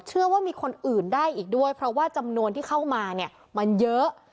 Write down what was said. เชื่อว่ามีคนอื่นได้อีกด้วยเพราะว่าจำนวนที่เข้ามาเนี่ยมันเยอะ